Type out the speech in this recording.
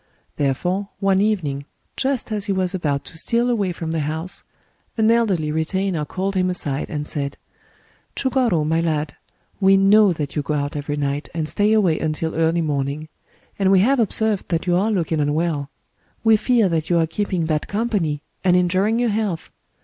Therefore, one evening, just as he was about to steal away from the house, an elderly retainer called him aside, and said: — "ChugorS, my lad, we know that you go out every night and stay away until early morning; and we have observed that you are looking un well. We fear that you are keeping bad company, and injuring your health.